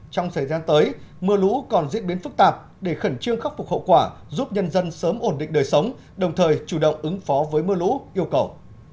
trong thời gian tới mưa lũ còn diễn biến phức tạp để khẩn trương khắc phục hậu quả giúp nhân dân sớm ổn định đời sống đồng thời chủ động ứng phó với mưa lũ yêu cầu